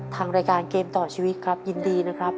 ทางรายการเกมต่อชีวิตครับยินดีนะครับ